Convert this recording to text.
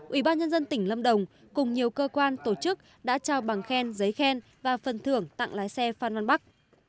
ủy ban nhân dân tỉnh lâm đồng cùng nhiều cơ quan tổ chức đã trao bằng khen giấy khen và phần thưởng tặng lái xe phan văn bắc